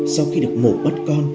sau khi được mổ bắt con